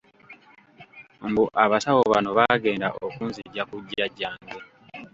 Mbu abasawo bano baagenda okunzigya ku Jjajjange.